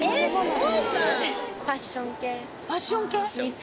ファッション系。